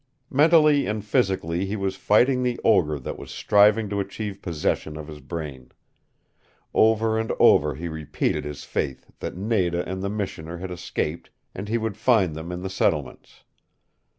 Mentally and physically he was fighting the ogre that was striving to achieve possession of his brain. Over and over he repeated his faith that Nada and the Missioner had escaped and he would find them in the settlements.